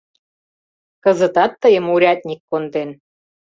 Кызытат тыйым урядник конден.